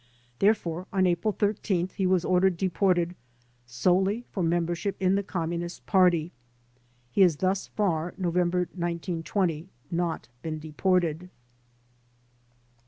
Therefore, on April 13th he was ordered deported "solely for membership in the Communist Party/' He has thus far (November, 1920) not been deported.